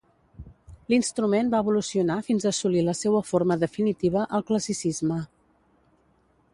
L'instrument va evolucionar fins a assolir la seua forma definitiva al classicisme.